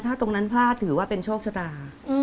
ถ้าตรงนั้นพลาดถือว่าเป็นโชคชะตา